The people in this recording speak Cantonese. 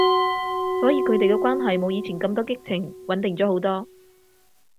所以佢哋嘅關係冇以前咁多激情，穩定咗好多